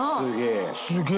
すげえ！